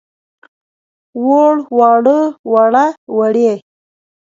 ووړ، واړه، وړه، وړې.